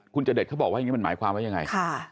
คุณจเดชเขาบอกว่าอย่างนี้มันหมายความว่ายังไง